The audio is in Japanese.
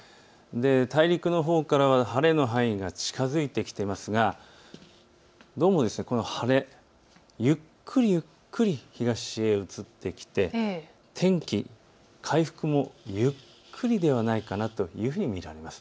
大陸のほうからは晴れの範囲が近づいてきていますがどうもこの晴れ、ゆっくり東へ移ってきて天気、回復もゆっくりではないかなというふうに見られます。